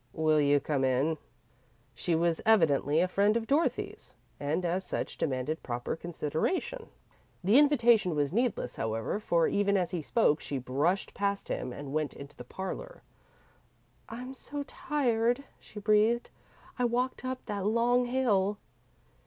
"Will you come in?" She was evidently a friend of Dorothy's, and, as such, demanded proper consideration. The invitation was needless, however, for even as he spoke, she brushed past him, and went into the parlour. "I'm so tired," she breathed. "I walked up that long hill."